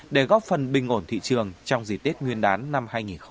để góp phần bình ổn thị trường trong dịp tết nguyên đán năm hai nghìn một mươi sáu